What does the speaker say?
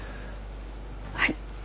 はい。